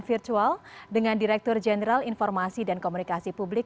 virtual dengan direktur jenderal informasi dan komunikasi publik